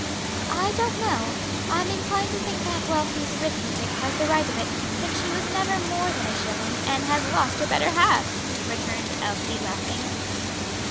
"I don't know; I'm inclined to think Aunt Wealthy's arithmetic has the right of it, since she was never more than a shilling, and has lost her better half," returned Elsie, laughing.